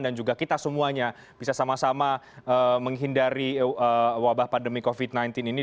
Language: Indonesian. dan juga kita semuanya bisa sama sama menghindari wabah pandemi covid sembilan belas ini